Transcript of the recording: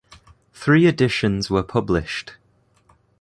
Three editions were published.